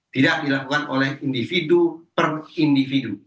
tidak dilakukan oleh individu per individu